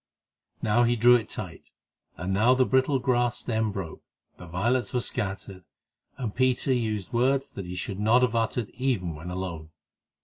Now he drew it tight, and now the brittle grass stem broke, the violets were scattered, and Peter used words that he should not have uttered even when alone.